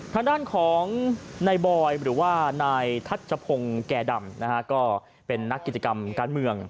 ทางด้านของนายบอยหรือว่านายทัชพงศ์แก่ดำนะฮะก็เป็นนักกิจกรรมการเมือง